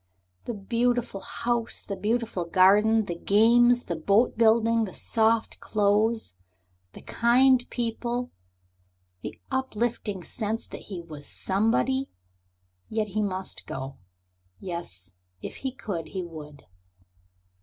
The beautiful house, the beautiful garden, the games, the boat building, the soft clothes, the kind people, the uplifting sense that he was Somebody ... yet he must go. Yes, if he could he would.